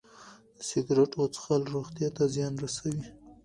د سګرټو څښل روغتیا ته زیان رسوي.